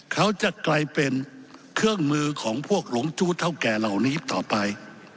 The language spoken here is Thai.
เขาจะกลายเป็นเครื่องมือของพวกหลงจู้เท่าแก่เหล่านี้ต่อไป